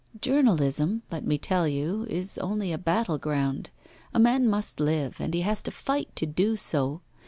'Journalism, let me tell you, is only a battle ground. A man must live, and he has to fight to do so.